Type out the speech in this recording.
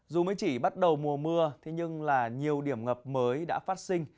dù mới chỉ bắt đầu mùa mưa nhưng nhiều điểm ngập mới đã phát sinh